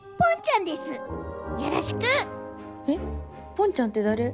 ぽんちゃんってだれ？